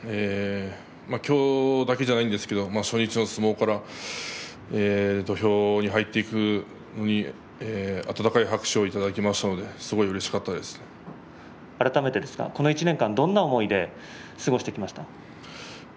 きょうだけじゃないんですけれど初日の相撲から土俵に入っていくと温かい拍手をいただきましたので改めてですがこの１年間どんな思いで過ごしてきましたか。